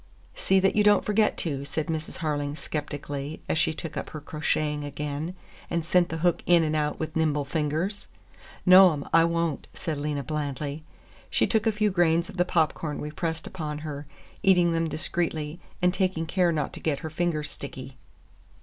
"See that you don't forget to," said Mrs. Harling skeptically, as she took up her crocheting again and sent the hook in and out with nimble fingers. "No, 'm, I won't," said Lena blandly. She took a few grains of the popcorn we pressed upon her, eating them discreetly and taking care not to get her fingers sticky.